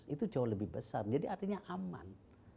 itu jauh lebih besar jadi artinya aman